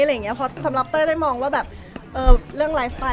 เพราะสำหรับเต้ยได้มองว่าแบบเรื่องไลฟ์สไตล